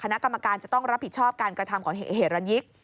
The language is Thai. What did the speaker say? คณะกรรมการจะต้องรับผิดชอบการกระทำของเหตุระยิก